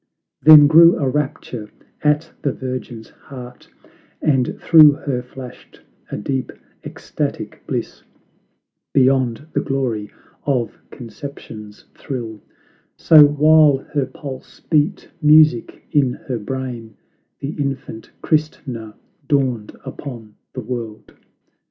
Then grew a rapture at the virgin's heart, And through her flashed a deep, ecstatic bliss 43 Cbe Divine enchantment Beyond the glory of conception's thrill; So while her pulse beat music in her brain, The infant Christna dawned upon the world!